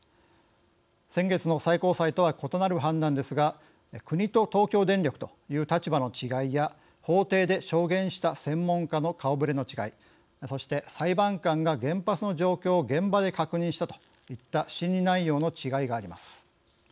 先月の最高裁とは異なる判断ですが国と東京電力という立場の違いや法廷で証言した専門家の顔ぶれの違いそして裁判官が原発の状況を現場で確認したといった審理内容の違いがあります。